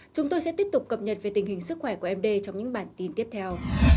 chúng tôi sẽ tiếp tục cập nhật về tình hình sức khỏe của em d trong những bản tin tiếp theo